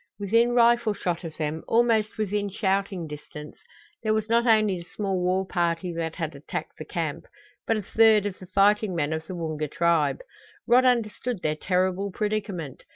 Within rifle shot of them, almost within shouting distance, there was not only the small war party that had attacked the camp, but a third of the fighting men of the Woonga tribe! Rod understood their terrible predicament.